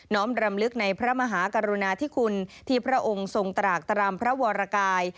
รำลึกในพระมหากรุณาธิคุณที่พระองค์ทรงตรากตรามพระวรกาย